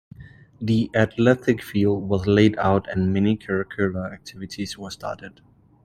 The athletic field was laid out and many curricular activities were started.